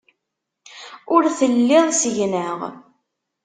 Ur telliḍ seg-neɣ.